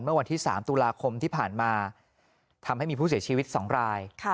เมื่อวันที่๓ตุลาคมที่ผ่านมาทำให้มีผู้เสียชีวิต๒ราย